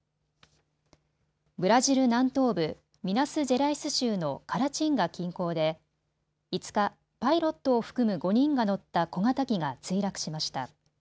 ブラジル南東部、ミナスジェライス州のカラチンガ近郊で５日、パイロットを含む５人が乗った小型機が墜落しました。